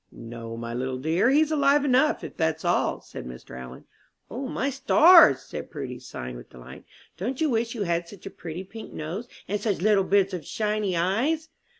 "No, my little dear, he's alive enough, if that's all," said Mr. Allen. "O, my stars!" said Prudy, sighing with delight. "Don't you wish you had such a pretty pink nose, and such little bits of shiny eyes?"